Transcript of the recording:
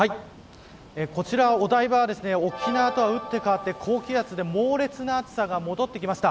こちら、お台場は沖縄とは打って変わって高気圧で猛烈な暑さが戻ってきました。